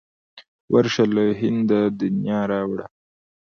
ورشه له هنده د نیا را وړه.